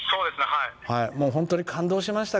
本当に感動しました。